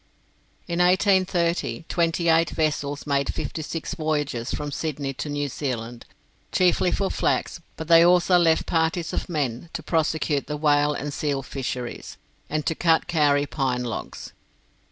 In 1830 twenty eight vessels made fifty six voyages from Sydney to New Zealand, chiefly for flax; but they also left parties of men to prosecute the whale and seal fisheries, and to cut kauri pine logs.